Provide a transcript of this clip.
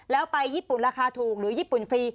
แล้วไปญี่ปุ่นราคาถูกหรือญี่ปุ่นฟรี